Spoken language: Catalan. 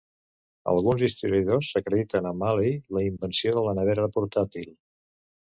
Alguns historiadors acrediten a Malley la invenció de la nevera portàtil.